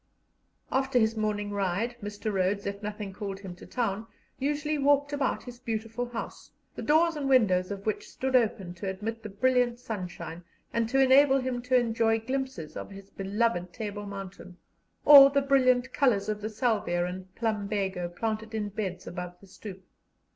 After his morning ride, Mr. Rhodes, if nothing called him to town, usually walked about his beautiful house, the doors and windows of which stood open to admit the brilliant sunshine and to enable him to enjoy glimpses of his beloved Table Mountain, or the brilliant colours of the salvia and plumbago planted in beds above the stoep.